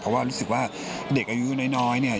เพราะว่ารู้สึกว่าเด็กอายุน้อยเนี่ย